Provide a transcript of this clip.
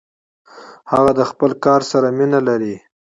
هغه د خپل کار سره مینه لري.